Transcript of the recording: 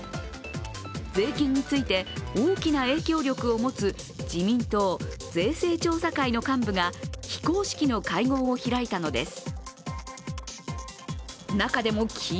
税金について大きな影響力を持つ自民党・税制調査会の幹部が非公式の会合を開いたのです。